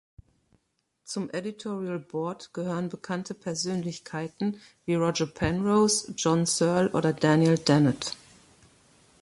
Zum Editorial Board gehören bekannte Persönlichkeiten, wie Roger Penrose, John Searle oder Daniel Dennett.